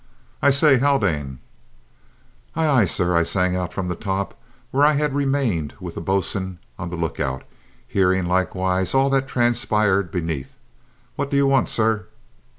"I say, Haldane?" "Aye, aye, sir?" I sang out from the top, where I had remained with the boatswain on the look out, and hearing likewise all that transpired beneath. "What do you want, sir?"